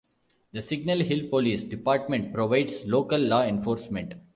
The Signal Hill Police Department provides local law enforcement.